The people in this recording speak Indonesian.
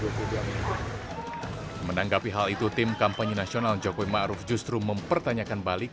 jokowi maruf menanggapi hal itu tim kampanye nasional jokowi maruf justru mempertanyakan balik